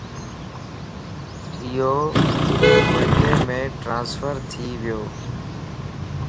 ايو ڪوئيٽيم ٽرانسفرٿي ويو